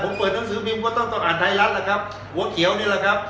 ผมเปิดหนังสือพิมพ์ก็ต้องต้องอ่านไทยรัฐล่ะครับหัวเขียวนี่แหละครับ